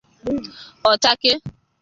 ọ chakee.